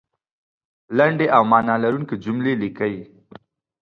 لنډې او معنا لرونکې جملې لیکئ